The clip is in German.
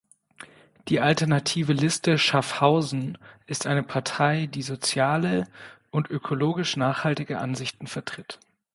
Die Alternative Liste Schaffhausen ist eine Partei, die soziale und ökologisch nachhaltige Ansichten vertritt.